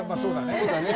そうだね。